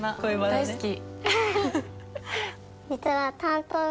大好き。